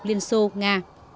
liên xô nga